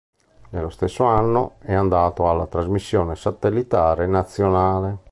Nello stesso anno, è andato alla trasmissione satellitare nazionale.